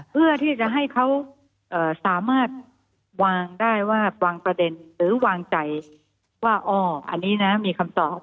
เพื่อที่จะให้เขาสามารถวางได้ว่าวางประเด็นหรือวางใจว่าอ๋ออันนี้นะมีคำตอบ